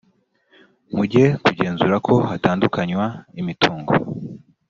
muge kugenzura ko hatandukanywa imitungo